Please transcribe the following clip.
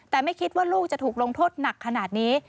แต่ไม่คิดว่าลูกจะถูกลงโทษหนักขนาดนี้